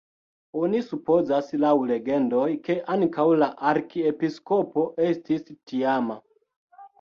Oni supozas laŭ legendoj, ke ankaŭ la arkiepiskopo estis tiama.